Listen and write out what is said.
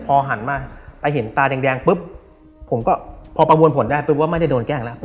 พอหันมาไปเห็นตาแดงปุ๊บผมก็พอประมวลผลได้ปุ๊บว่าไม่ได้โดนแกล้งแล้ว